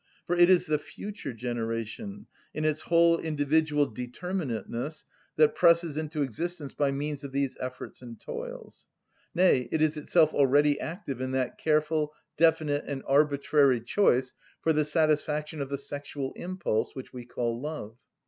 For it is the future generation, in its whole individual determinateness, that presses into existence by means of those efforts and toils. Nay, it is itself already active in that careful, definite, and arbitrary choice for the satisfaction of the sexual impulse which we call love.